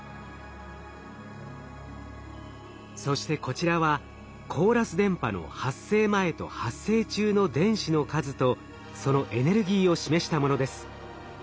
そしてこちらはコーラス電波の発生前と発生中の電子の数とそのエネルギーを示したものです。